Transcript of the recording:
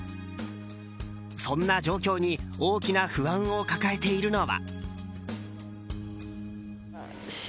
そんな状況に大きな不安を抱えているのは。